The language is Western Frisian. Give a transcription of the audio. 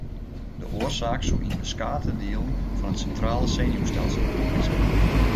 De oarsaak soe yn beskate dielen fan it sintrale senuwstelsel lizze.